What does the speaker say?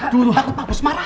aku takut pas marah